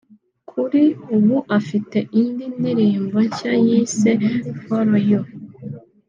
kuri ubu afite indi ndirimbo nshya yise ‘For you'